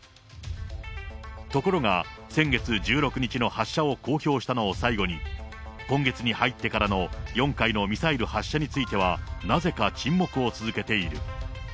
ところが、先月１６日の発射を公表したのを最後に、今月に入ってからの４回のミサイル発射については、なぜか沈黙を続けている。